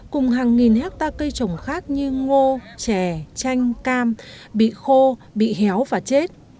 cùng hàng nghìn hectare cây trồng khác như ngô chè chanh cam bị khô bị héo và chết